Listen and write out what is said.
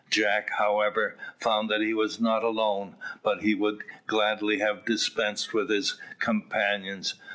Jack, however, found that he was not alone; but he would gladly have dispensed with his companions.